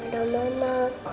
gada mamaku ada papa